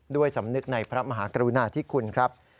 ด้วยสำนึกในพระมหากรุณาธิคุณครับ